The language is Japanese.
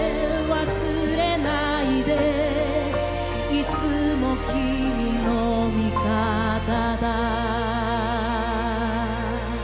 「いつもキミの味方だ」